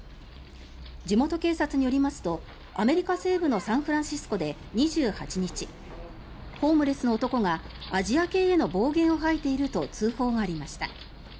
地元警察によりますとアメリカ西部のサンフランシスコで２８日ホームレスの男がアジア系への暴言を吐いていると通報がありました。